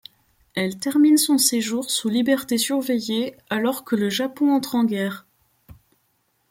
Elle termine son séjour sous liberté surveillée, alors que le Japon entre en guerre.